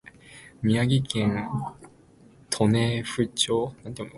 宮城県利府町